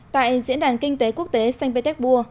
tại diễn đàn kinh tế quốc tế saint petersburg